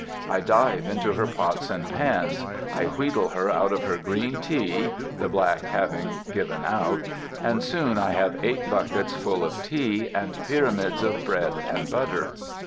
I dive into her pots and pans, I wheedle her out of her green tea (the black having given out), and soon I have eight buckets full of tea, and pyramids of bread and butter.